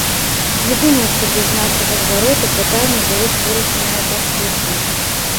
Не думаю, што без нашага звароту пытанне было б вырашанае так хутка.